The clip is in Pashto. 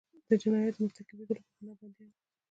د جنایتونو مرتکبیدلو په ګناه بندیان وو.